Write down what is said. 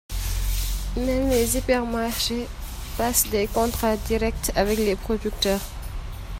Même les hypermarchés passent des contrats directs avec les producteurs.